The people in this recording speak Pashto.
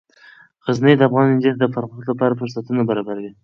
غزني د افغان نجونو د پرمختګ لپاره فرصتونه برابروي.